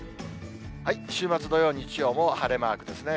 週末、土曜、日曜も晴れマークですね。